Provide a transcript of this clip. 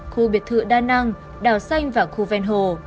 khu biệt thự đa năng đảo xanh và khu ven hồ